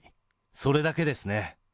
それだけですね。